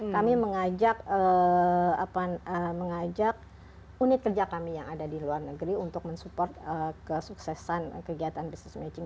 kami mengajak unit kerja kami yang ada di luar negeri untuk mensupport kesuksesan kegiatan business matching